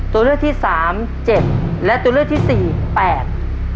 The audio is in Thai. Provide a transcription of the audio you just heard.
ตัวเลขที่สามเจ็บและตัวเลขที่สี่แปด